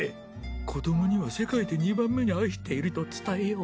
子どもには世界で２番目に愛していると伝えよう。